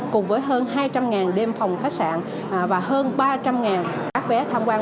cùng với hơn hai trăm linh đêm phòng khách sạn và hơn ba trăm linh các vé tham quan